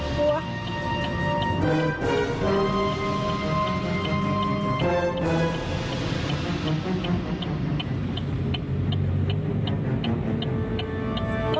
คนตีกันอร่อยกลัว